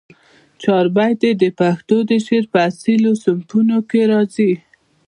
چاربیتې د پښتو د شعر په اصیلو صنفونوکښي راځي